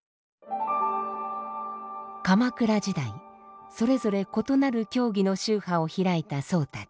鎌倉時代それぞれ異なる教義の宗派を開いた僧たち。